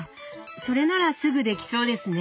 それならすぐできそうですね。